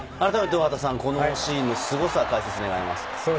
大畑さん、このシーンのすごさ、解説、願います。